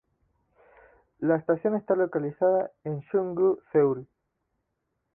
La estación está localizada en Jung-gu, Seúl.